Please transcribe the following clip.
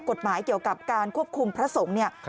กฎหมายเกี่ยวกับการควบคุมพระสงฆ์เนี่ย